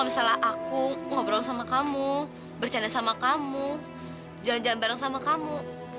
misalnya aku ngobrol sama kamu bercanda sama kamu jalan jalan bareng sama kamu